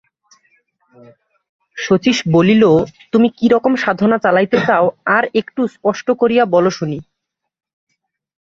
শচীশ বলিল, তুমি কী রকম সাধনা চালাইতে চাও আর-একটু স্পষ্ট করিয়া বলো শুনি।